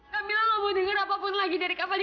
kamila gak mau denger apapun lagi dari kak fadlil